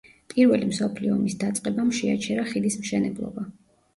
პირველი მსოფლიო ომის დაწყებამ შეაჩერა ხიდის მშენებლობა.